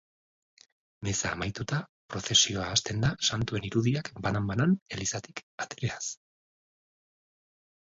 Meza amaituta, prozesioa hasten da santuen irudiak banan-banan elizatik atereaz.